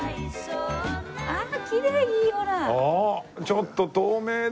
ちょっと透明で！